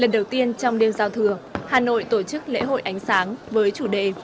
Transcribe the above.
lần đầu tiên trong đêm giao thừa hà nội tổ chức lễ hội ánh sáng với chủ đề